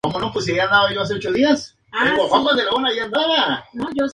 Allí realizó su primera grabación de la sonata para violonchelo solo, Op.